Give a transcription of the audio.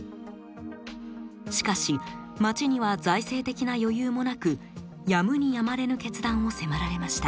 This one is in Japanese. しかし町には財政的な余裕もなくやむにやまれぬ決断を迫られました。